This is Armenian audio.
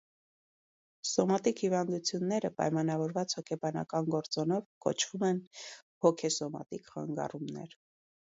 Սոմատիկ հիվանդությունները՝ պայմանավորված հոգեբանական գործոնով, կոչում են՝ «հոգեսոմատիկ խանգարումներ»։